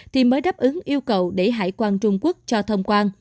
thì mới đáp ứng yêu cầu để hải quan trung quốc cho thông quan